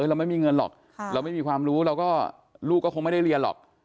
เราไม่มีเงินหรอกเราไม่มีความรู้เราก็ลูกก็คงไม่ได้เรียนหรอก